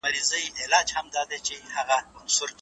په لویه جرګه کي د فساد پر وړاندې څه خبري کیږي؟